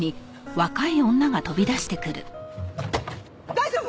大丈夫？